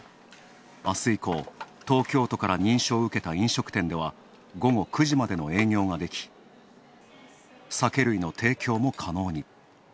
あす以降、東京都から認証を受けた飲食店では午後９時までの営業ができ、酒類の提供も可能に。